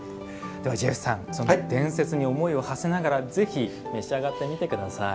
ジェフさん伝説に思いをはせながらぜひ召し上がってみてください。